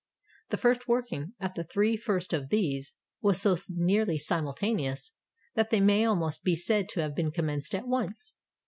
The first working at the three first of these was so nearly simultaneous, that they may almost be said to have been commenced at once.